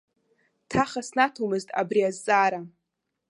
Ҭаха снаҭомызт абри азҵаара.